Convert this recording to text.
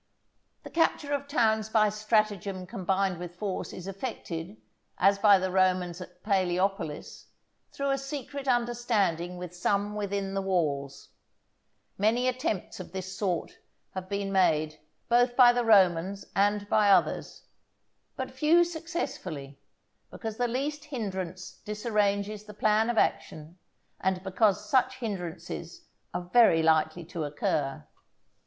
The capture of towns by stratagem combined with force is effected, as by the Romans at Palæopolis, through a secret understanding with some within the walls. Many attempts of this sort have been made, both by the Romans and by others, but few successfully, because the least hindrance disarranges the plan of action, and because such hindrances are very likely to occur.